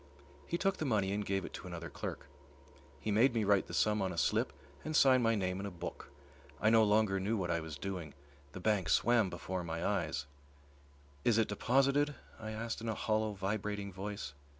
He took the money and gave it to another clerk. He made me write the sum on a slip and sign my name in a book. I no longer knew what I was doing. The bank swam before my eyes. "Is it deposited?" I asked in a hollow, vibrating voice.